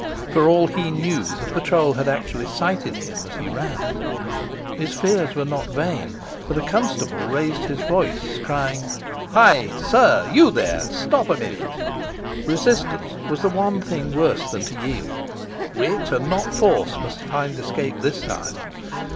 For all he knew, the patrol had actually sighted him as he ran. His fears were not vain; for the constable raised his voice, crying, "Hi, sir you there stop a minute!" Resistance was the one thing worse than to yield. Wit, and not force, must find escape this time.